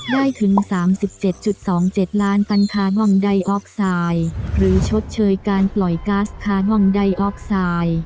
ได้ถึงสามสิบเจ็ดจุดสองเจ็ดล้านตันคาบองไดออกไซด์หรือชดเชยการปล่อยกาสคาบองไดออกไซด์